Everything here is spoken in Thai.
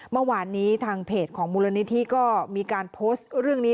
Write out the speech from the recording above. เมื่อวานนี้ทางเพจของมูลนิธิก็มีการโพสต์เรื่องนี้